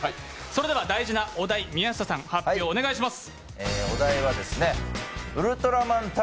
それでは大事なお題宮下さん発表お願いします。